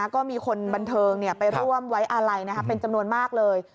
ก็มีคนบันเทิงไปร่วมไว้อาลัยเป็นจำนวนมากเลย